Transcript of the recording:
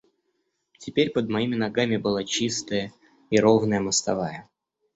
Теперь под моими ногами была чистая и ровная мостовая.